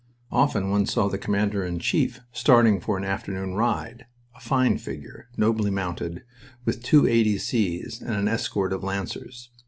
Often one saw the Commander in Chief starting for an afternoon ride, a fine figure, nobly mounted, with two A. D. C.'s and an escort of Lancers.